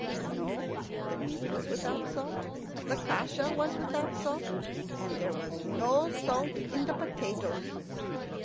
No; the meat was without salt, the kasha was without salt, and there was no salt in the potatoes.